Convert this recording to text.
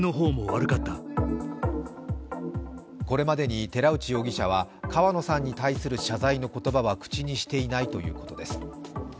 これまでに寺内容疑者は川野さんに対する謝罪の言葉は口にしていないということです。